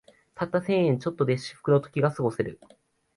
たった千円ちょっとで至福の時がすごせる